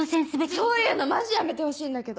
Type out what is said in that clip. そういうのマジやめてほしいんだけど。